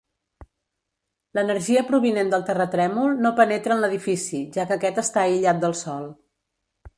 L'energia provinent del terratrèmol no penetra en l'edifici, ja que aquest està aïllat del sòl.